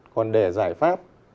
còn đề giải pháp